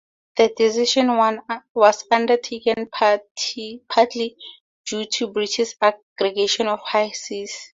The decision was undertaken partly due to British aggression on the high seas.